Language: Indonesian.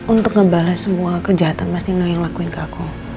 untuk ngebales semua kejahatan mas nino yang ngelakuin ke aku